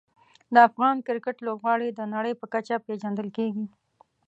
د افغان کرکټ لوبغاړي د نړۍ په کچه پېژندل کېږي.